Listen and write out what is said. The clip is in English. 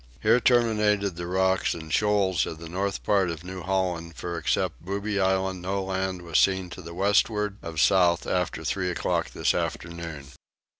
Here terminated the rocks and shoals of the north part of New Holland for except Booby Island no land was seen to the westward of south after three o'clock this afternoon.